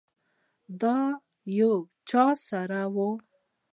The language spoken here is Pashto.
د یو چا سره وه.